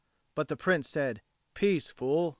But the Prince said, "Peace, fool.